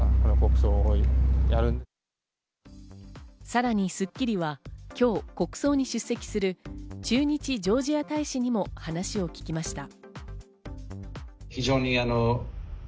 さらに『スッキリ』は今日、国葬に出席する駐日ジョージア大使にも話を聞きました。